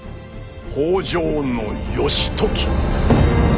北条義時。